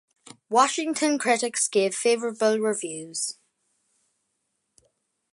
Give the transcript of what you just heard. Washington critics gave favorable reviews.